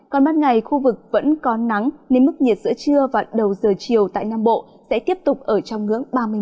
còn ban ngày khu vực vẫn còn nắng nên mức nhiệt giữa trưa và đầu giờ chiều tại nam bộ sẽ tiếp tục ở trong ngưỡng ba mươi một ba mươi bốn độ có nơi cao hơn